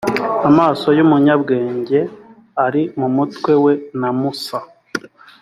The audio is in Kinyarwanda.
amaso y umunyabwenge ari mu mutwe we na musa